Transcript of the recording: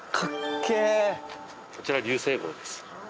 こちら流星号です。